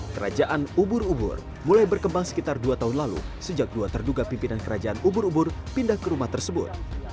kerajaan ubur ubur mulai berkembang sekitar dua tahun lalu sejak dua terduga pimpinan kerajaan ubur ubur pindah ke rumah tersebut